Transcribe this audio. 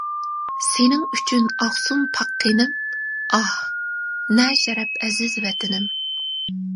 سېنىڭ ئۈچۈن ئاقسۇن پاك قېنىم، ئاھ، نە شەرەپ ئەزىز ۋەتىنىم.